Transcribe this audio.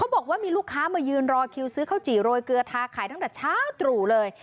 บอกว่ามีลูกค้ามายืนรอคิวซื้อข้าวจี่โรยเกลือทาขายตั้งแต่เช้าตรู่เลย